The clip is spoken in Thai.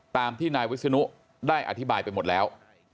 ตามที่นายวิศนุได้อธิบายไปหมดแล้ว